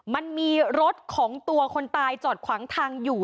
มันมีรถของตัวคนตายจอดขวางทางอยู่